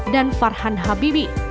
dan farhan habibi